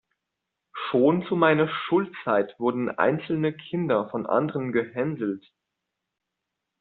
Schon zu meiner Schulzeit wurden einzelne Kinder von anderen gehänselt.